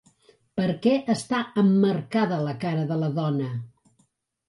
Per què està emmarcada la cara de la dona?